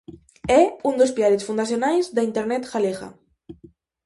É un dos piares fundacionais da Internet galega.